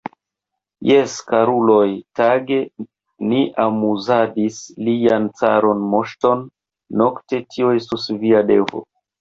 Jes, karuloj, tage ni amuzadis lian caran moŝton, nokte tio estos via devo.